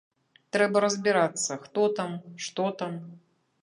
Трэба разбірацца, хто там, што там.